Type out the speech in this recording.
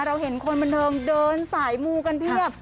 เราเห็นคนบันเทิงเดินสายมูกันเพียบ